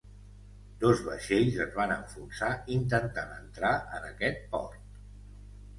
Dos vaixells es van enfonsar intentant entrar en aquest port.